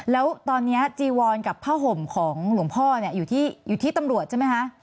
แล้วตอนนี้จีวอนกับผ้าห่มของหลวงพ่อเนี่ยอยู่ที่ตำรวจใช่ไหมคะ